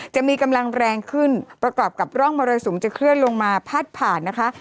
จะมีกำลังแรงขึ้นประกอบกับร่องมรสุมจะเคลื่อนลงมาพาดผ่านนะคะ